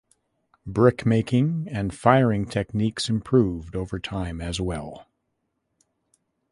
Brick making and firing techniques improved over time as well.